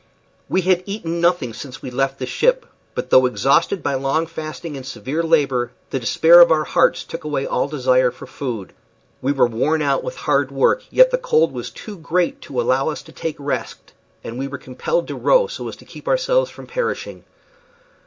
We had eaten nothing since we left the ship, but though exhausted by long fasting and severe labor, the despair of our hearts took away all desire for food. We were worn out with hard work, yet the cold was too great to allow us to take rest, and we were compelled to row so as to keep ourselves from perishing.